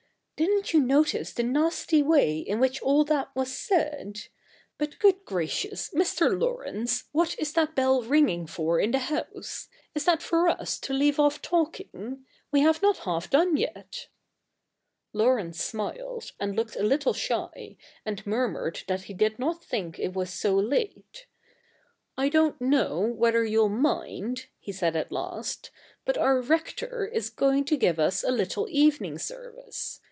' Didn't you notice the nasty way in which all that w^as said? But — good gracious, Mr. Laurence, what is that bell ringing for in the house ? Is that for us to leave off talking ? We have not half done yet.'* Laurence smiled, and looked a little shy, and mur mured that he did not think it was so late. ' I don't know whether you'll mind,' he said at last, ' but our Rector is going to give us a little evening service.